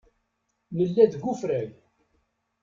Nella deg ufrag.